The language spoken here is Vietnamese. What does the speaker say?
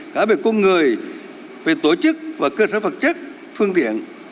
cả về công người về tổ chức và cơ sở phật chất phương tiện